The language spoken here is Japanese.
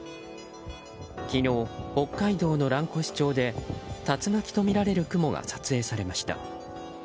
昨日、北海道の蘭越町で竜巻とみられる雲が撮影されました。